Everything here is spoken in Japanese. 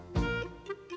え？